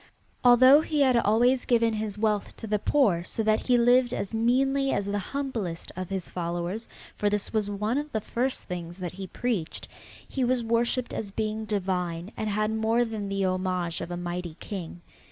Although he had always given his wealth to the poor so that he lived as meanly as the humblest of his followers for this was one of the first things that he preached, he was worshipped as being divine and had more than the homage of a mighty king.